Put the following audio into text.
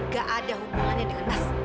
gak ada hubungannya dengan nas